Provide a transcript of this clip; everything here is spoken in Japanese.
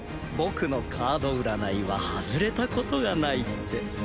僕のカード占いは外れたことがないって。